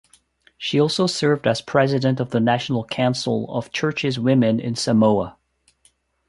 She also served as President of the National Council of Churches Women in Samoa.